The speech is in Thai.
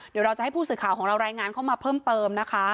เดี๋ยวเราจะให้ผู้สื่อข่าวของเรารายงานเข้ามาเพิ่มเติมนะคะ